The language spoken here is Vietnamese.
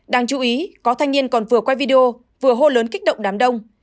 đáng chú ý có thanh niên còn vừa quay video vừa hô lớn kích động đám đông